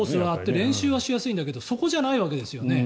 練習はしやすいんだろうけどそこじゃないわけですよね。